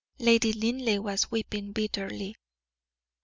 Lady Linleigh was weeping bitterly.